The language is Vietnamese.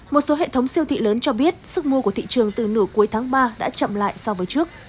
một siêu thị lớn cho biết sức mua của thị trường từ nửa cuối tháng ba đã chậm lại so với trước